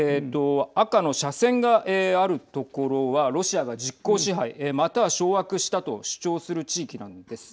赤の斜線がある所はロシアが実効支配または掌握したと主張する地域なんです。